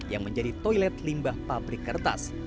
yang menjadi toilet limbah pabrik kertas